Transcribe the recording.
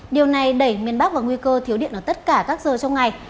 điều này đẩy miền bắc vào nguy cơ thiếu điện ở tất cả các giờ trong ngày